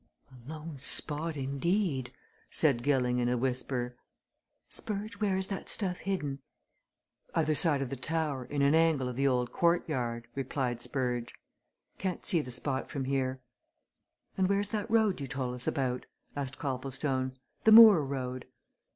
"A lone spot indeed!" said Gilling in a whisper. "Spurge, where is that stuff hidden?" "Other side of the tower in an angle of the old courtyard," replied Spurge, "Can't see the spot from here." "And where's that road you told us about?" asked Copplestone. "The moor road?"